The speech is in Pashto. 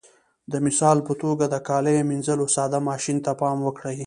د مثال په توګه د کاليو منځلو ساده ماشین ته پام وکړئ.